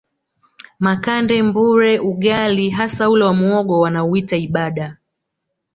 Makande Mbure ugali hasa ule wa muhogo wanauita ibadaa